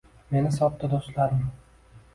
Meni sotdi do’stlarim.